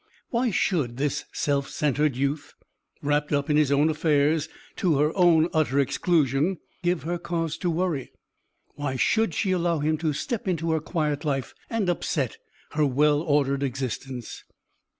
Why should this self centred youth, wrapped up in his own affairs to her own utter exclusion, give her cause to worry? Why should she allow him to step into her quiet life and upset her well ordered existence?